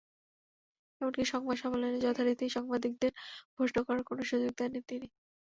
এমনকি সংবাদ সম্মেলনে যথারীতি সাংবাদিকদের প্রশ্ন করার কোনো সুযোগ দেননি তিনি।